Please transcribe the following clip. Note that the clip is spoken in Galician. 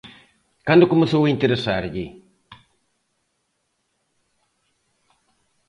Cando comezou a interesarlle?